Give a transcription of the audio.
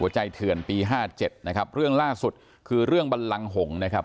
เถื่อนปีห้าเจ็ดนะครับเรื่องล่าสุดคือเรื่องบันลังหงษ์นะครับ